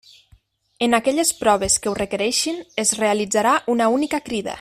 En aquelles proves que ho requereixin, es realitzarà una única crida.